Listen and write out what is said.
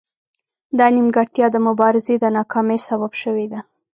دا نیمګړتیا د مبارزې د ناکامۍ سبب شوې ده